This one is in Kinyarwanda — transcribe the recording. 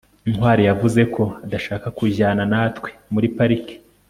ntwali yavuze ko adashaka kujyana natwe muri parike